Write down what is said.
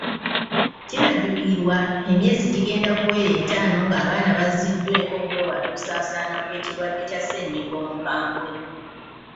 Kinajjukirwa emyezi gigenda kuwera ettaano nga abaana baziddwa eka okwewala okusaasaana kw’ekirwadde kya ssennyiga omukambwe.